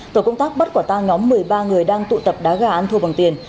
tổ công tác bắt quả tang nhóm một mươi ba người đang tụ tập đá gà ăn thua bằng tiền